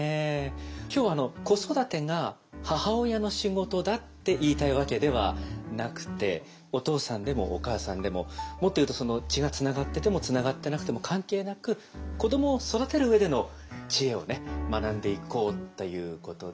今日はあの子育てが母親の仕事だって言いたいわけではなくてお父さんでもお母さんでももっと言うと血がつながっててもつながってなくても関係なく子どもを育てる上での知恵をね学んでいこうということで。